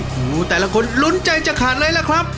หูแต่ละคนลุ้นใจจะขาดเลยล่ะครับ